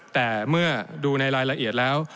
แต่เมื่อดูในรายละเอียดแล้ว